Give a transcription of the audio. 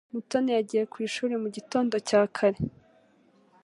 mutoni yagiye kwishuri mugitondo cyakare